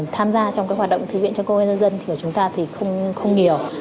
tham gia trong các hoạt động thư viện cho công nghệ dân dân của chúng ta thì không nhiều